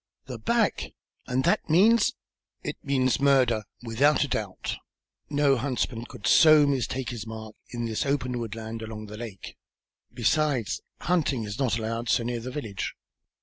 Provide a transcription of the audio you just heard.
"The back! And that means " "It means murder, without a doubt. No huntsman could so mistake his mark in this open woodland, along the lake. Besides, hunting is not allowed so near the village.